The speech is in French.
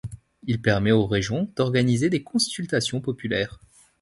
Il permet aux régions d'organiser des consultations populaires.